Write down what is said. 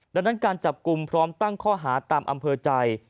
ดังนั้นการจับกลุ่มพร้อมตั้งข้อหาตามอำเภอใจ